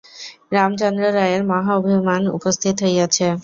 রামচন্দ্র রায়ের মহা অভিমান উপস্থিত হইয়াছে।